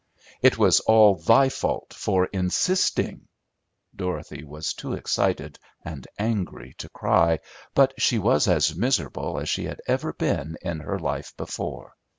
"It was all thy fault for insisting." Dorothy was too excited and angry to cry, but she was as miserable as she had ever been in her life before.